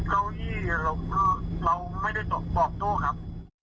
เฮ้อเราเราไม่ได้ตอบโต้ครับ